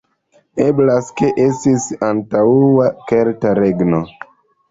Eblas ke estis antaŭa kelta regno.